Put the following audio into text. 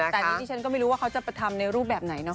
แต่อันนี้ที่ฉันก็ไม่รู้ว่าเขาจะไปทำในรูปแบบไหนเนาะ